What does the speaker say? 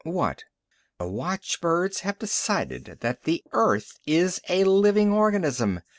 "What?" "The watchbirds have decided that the Earth is a living organism.